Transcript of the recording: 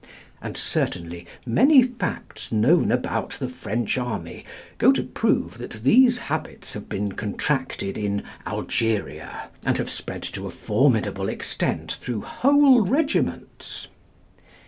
And certainly many facts known about the French army go to prove that these habits have been contracted in Algeria, and have spread to a formidable extent through whole regiments.